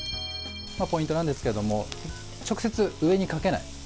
ポイントなんですけども直接、上にかけない。